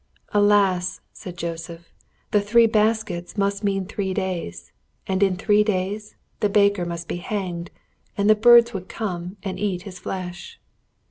"Alas!" said Joseph, "the three baskets must mean three days, and in three days the baker must be hanged, and the birds would come and eat his flesh."